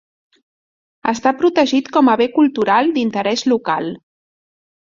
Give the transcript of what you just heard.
Està protegit com a bé cultural d'interès local.